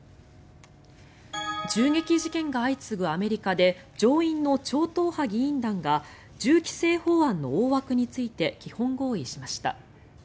銃撃事件が相次ぐアメリカで上院の超党派議員団が銃規制法案の大枠について基本合意しました。